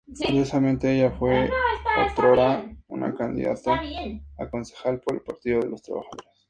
Curiosamente, ella fue otrora una candidata a concejal por el Partido de los Trabajadores.